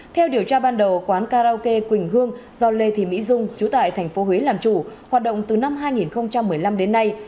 theo điều tra ban đầu quán karaoke quỳnh hương do lê thị mỹ dung trú tại tp huế làm chủ hoạt động từ năm hai nghìn một mươi năm đến nay